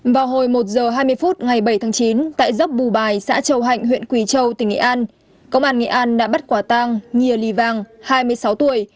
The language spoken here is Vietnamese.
vào hồi một h hai mươi phút ngày bảy tháng chín tại dốc bù bài xã châu hạnh huyện quỳ châu tỉnh nghệ an công an nghệ an đã bắt quả tang nhia ly vang hai mươi sáu tuổi